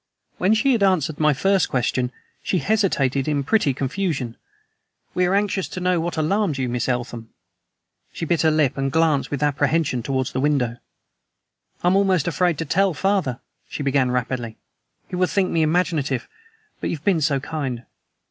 When she had answered my first question she hesitated in pretty confusion. "We are anxious to know what alarmed you, Miss Eltham." She bit her lip and glanced with apprehension towards the window. "I am almost afraid to tell father," she began rapidly. "He will think me imaginative, but you have been so kind.